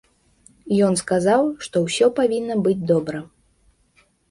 Ён сказаў, што ўсё павінна быць добра.